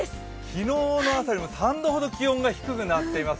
機能の朝よりも３度ほど気温が下がってます。